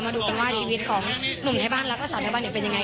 มาดูกันว่าชีวิตของหนุ่มไทยบ้านลักษณะสาวไทยบ้านเนี่ยเป็นยังไง